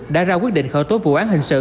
đã ra quyết định khởi tố vụ án hình sự